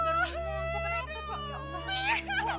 aduh gimana ini